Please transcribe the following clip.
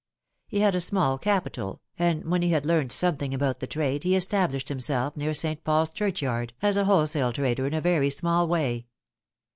He had a small capital, and when he had learnt some thing about the trade, he established himself near St. Paul's Churchyard as a wholesale trader in a very small way.